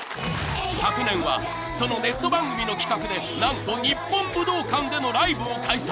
［昨年はそのネット番組の企画で何と日本武道館でのライブを開催！］